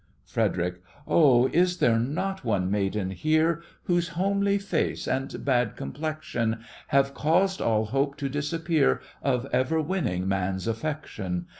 FREDERIC: Oh, is there not one maiden here Whose homely face and bad complexion Have caused all hope to disappear Of ever winning man's affection?